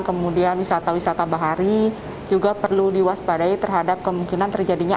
kemudian wisata wisata bahari juga perlu diwaspadai terhadap kemungkinan terjadinya